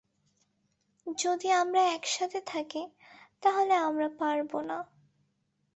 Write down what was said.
যদি আমরা একসাথে থাকি, তাহলে আমরা পারবো না।